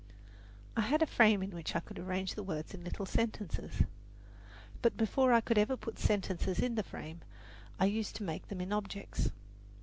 I had a frame in which I could arrange the words in little sentences; but before I ever put sentences in the frame I used to make them in objects.